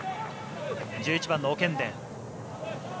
１１番のオケンデン。